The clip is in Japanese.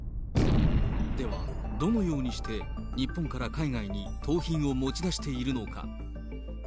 では、どのようにして日本から海外に盗品を持ち出しているのか。